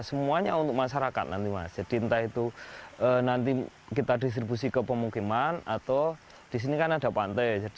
semuanya untuk masyarakat nanti mas jadi entah itu nanti kita distribusi ke pemukiman atau disini kan ada pantai jadi